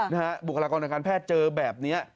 บุคลากรทางการแพทย์เจอแบบนี้